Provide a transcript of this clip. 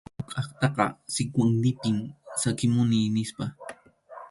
Huk kaqtaqa Sikwanipim saqimuni nispa.